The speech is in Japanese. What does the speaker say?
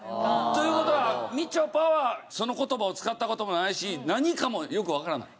という事はみちょぱはその言葉を使った事もないし何かもよくわからない。